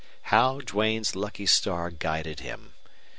How Duane's lucky star guided him!